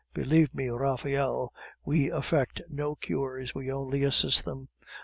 Believe me, Raphael, we effect no cures; we only assist them.